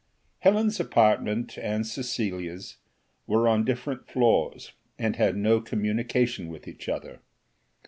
Helen's apartment, and Cecilia's, were on different floors, and had no communication with each other.